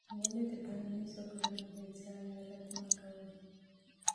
ولې د ټولنیزو کړنو بېځایه رد مه کوې؟